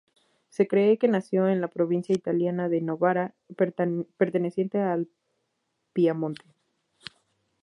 Se cree que nació en la provincia italiana de Novara, perteneciente al Piamonte.